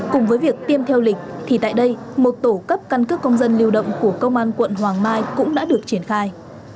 cùng với việc tiêm theo lịch thì tại đây một tổ cấp căn cước công dân lưu động của công an quận hoàng mai cũng đã được triển khai